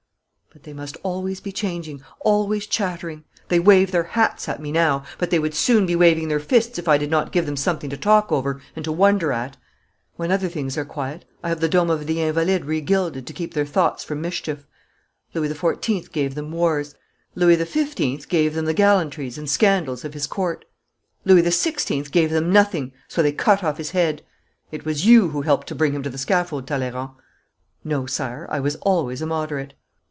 But they must always be changing, always chattering. They wave their hats at me now, but they would soon be waving their fists if I did not give them something to talk over and to wonder at. When other things are quiet, I have the dome of the Invalides regilded to keep their thoughts from mischief. Louis XIV. gave them wars. Louis XV. gave them the gallantries and scandals of his Court. Louis XVI. gave them nothing, so they cut off his head. It was you who helped to bring him to the scaffold, Talleyrand.' 'No, Sire, I was always a moderate.'